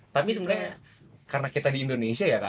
tapi sebenarnya karena kita di indonesia ya kak